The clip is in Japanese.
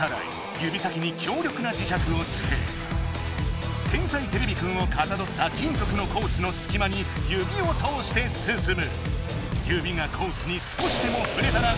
指先に強力な磁石をつけ「天才てれびくん」をかたどった金ぞくのコースのすき間に指を通して進む！